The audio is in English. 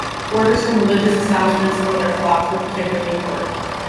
Orders from religious establishments for their flocks were particularly important.